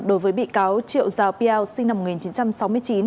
đối với bị cáo triệu giao piao sinh năm một nghìn chín trăm sáu mươi chín